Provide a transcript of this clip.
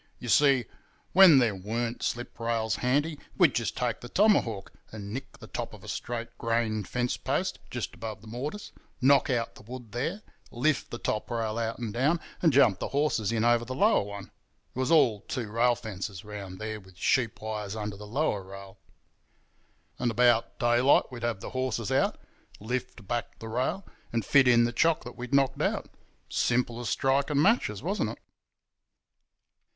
You see, where there weren't sliprails handy we'd just take the tomahawk and nick the top of a straight grained fence post, just above the mortise, knock out the wood there, lift the top rail out and down, and jump the horses in over the lower one—it was all two rail fences around there with sheep wires under the lower rail. And about daylight we'd have the horses out, lift back the rail, and fit in the chock that we'd knocked out. Simple as striking matches, wasn't it?